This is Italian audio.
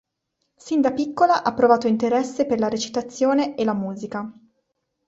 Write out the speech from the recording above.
Sin da piccola ha provato interesse per la recitazione e la musica.